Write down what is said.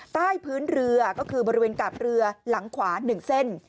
ใต้พื้นเรือก็คือบริเวณกาบเรือหลังขวา๑เส้น